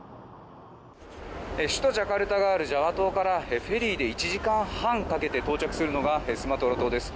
首都ジャカルタがあるジャワ島からフェリーで１時間半かけて到着するのがスマトラ島です。